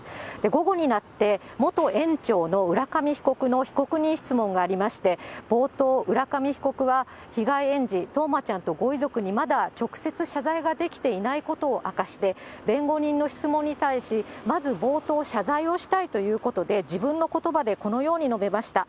午後になって、元園長の浦上被告の被告人質問がありまして、冒頭、浦上被告は、被害園児、冬生ちゃんとご遺族にまだ直接謝罪ができていないことを明かして、弁護人の質問に対し、まず冒頭、謝罪をしたいということで、自分のことばでこのように述べました。